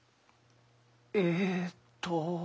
えっと。